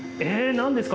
何ですか？